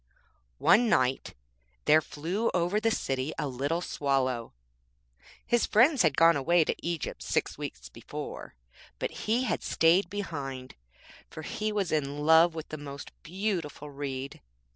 One night there flew over the city a little Swallow. His friends had gone away to Egypt six weeks before, but he had stayed behind, for he was in love with the most beautiful Reed.